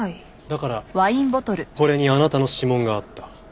だからこれにあなたの指紋があった。